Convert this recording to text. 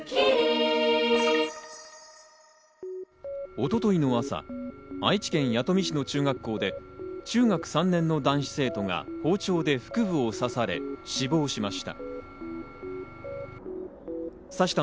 一昨日の朝、愛知県弥富市の中学校で中学３年の男子生徒が包丁で腹部を刺され死亡しました。